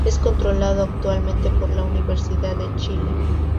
Es controlado actualmente por la Universidad de Chile.